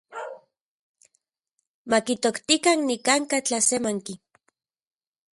Makitoktikan nikanka’ tlasemanki.